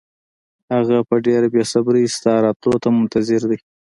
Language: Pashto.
هغه په ډېره بې صبرۍ ستا راتلو ته منتظر دی.